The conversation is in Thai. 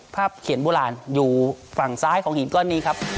เขียนโบราณอยู่ฝั่งซ้ายของหินก้อนนี้ครับ